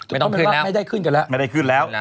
ไม่ต้องขึ้นแล้วไม่ได้ขึ้นกันแล้ว